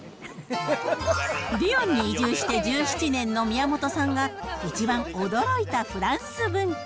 リヨンに移住して１７年の宮本さんが一番驚いたフランス文化。